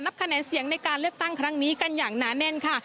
คะแนนเสียงในการเลือกตั้งครั้งนี้กันอย่างหนาแน่นค่ะ